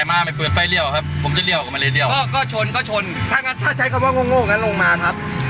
อย่างนี้ก็คือแบบถ้าใช้คำว่างโง่อย่างนี้ก็ลงมาครับ